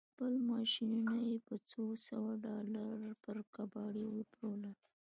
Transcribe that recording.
خپل ماشينونه يې په څو سوه ډالر پر کباړي وپلورل.